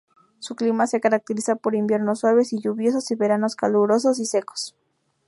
Su clima se caracteriza por inviernos suaves y lluviosos y veranos calurosos y secos.